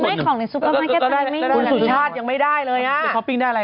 ของในซุปเปอร์มาร์เก็ตกันไม่ได้เลยคุณสุชาติยังไม่ได้เลย